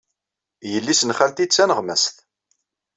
Yelli-s n xalti d taneɣmast.